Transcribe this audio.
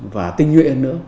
và tinh nguyện hơn nữa